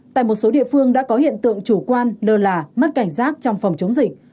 tại một số địa phương đã có hiện tượng chủ quan lơ là mất cảnh giác trong phòng chống dịch